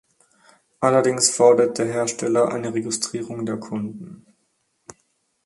Allerdings fordert der Hersteller eine Registrierung der Kunden.